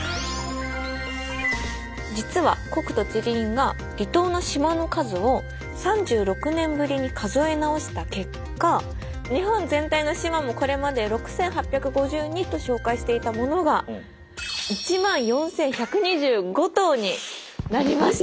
実は国土地理院が離島の島の数を３６年ぶりに数え直した結果日本全体の島もこれまで６，８５２と紹介していたものが１万４，１２５島になりました！